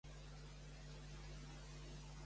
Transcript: Conta que va vindre un rei de Nàpols?